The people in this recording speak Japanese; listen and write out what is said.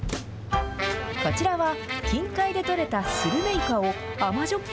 こちらは、近海で取れたスルメイカを甘じょっ